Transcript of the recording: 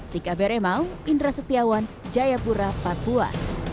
tika beremau indra setiawan jayapura papua